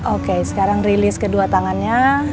oke sekarang rilis kedua tangannya